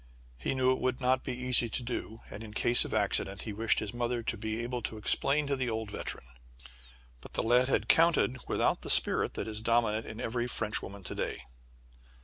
He knew it would not be easy to do, and, in case of accident, he wished his mother to be able to explain to the old veteran. But the lad had counted without the spirit that is dominant in every French woman to day.